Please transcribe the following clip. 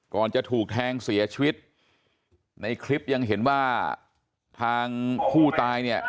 จะถูกแทงเสียชีวิตในคลิปยังเห็นว่าทางผู้ตายเนี่ย